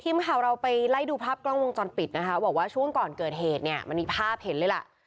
ทีมข่าวเราไปไล่ดูภาพกล้องวงจรปิดนะคะบอกว่าช่วงก่อนเกิดเหตุเนี่ยมันมีภาพเห็นเลยล่ะ